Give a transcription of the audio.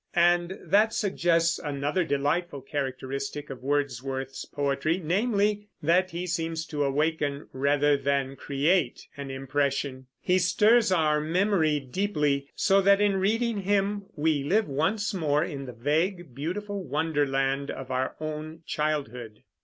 And that suggests another delightful characteristic of Wordsworth's poetry, namely, that he seems to awaken rather than create an impression; he stirs our memory deeply, so that in reading him we live once more in the vague, beautiful wonderland of our own childhood.